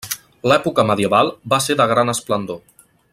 L’època medieval va ser de gran esplendor.